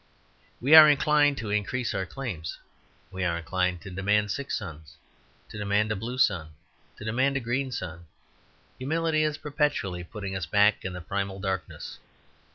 We are inclined to increase our claims. We are inclined to demand six suns, to demand a blue sun, to demand a green sun. Humility is perpetually putting us back in the primal darkness.